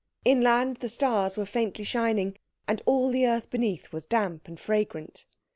Inland the stars were faintly shining, and all the earth beneath was damp and fragrant.